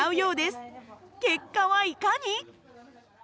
結果はいかに？